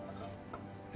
え